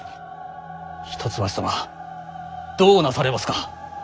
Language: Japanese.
一橋様どうなされますか？